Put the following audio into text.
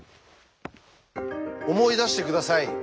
思い出して下さい。